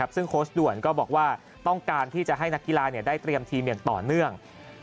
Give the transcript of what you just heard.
ซึ่งโค้ชด่วนก็บอกว่าต้องการที่จะให้นักกีฬาได้เตรียมทีมอย่างต่อเนื่อง